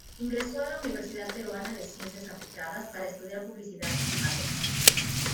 Ingresó a la Universidad Peruana de Ciencias Aplicadas para estudiar Publicidad y Marketing.